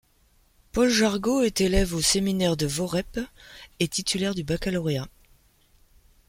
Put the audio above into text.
Paul Jargot est élève au séminaire de Voreppe et titulaire du baccalauréat.